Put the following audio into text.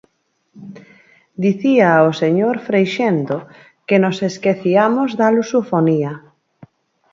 Dicía o señor Freixendo que nos esqueciamos da lusofonía.